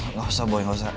nggak usah boy nggak usah